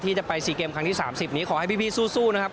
ที่จะไปสี่เกมครั้งที่สามสิบนี้ขอให้พี่พี่สู้สู้นะครับ